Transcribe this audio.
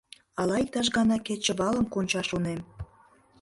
Ала иктаж гана кечывалым конча, шонем.